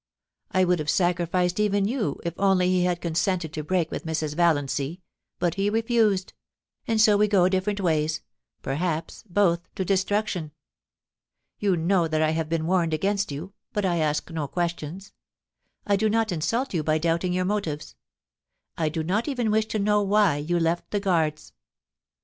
... I would have sacrificed even you if only he had consented to break with Mrs. Valiancy — but he refused — and so we go different ways, perhaps both to destruction. You know that I have been warned against you, but I ask no questions. I do not in sult you by doubting your motives. I do not even wish to know why you left the Guards.'